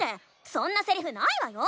そんなセリフないわよ！